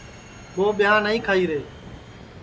اور ٻیاں نائی کھائی رے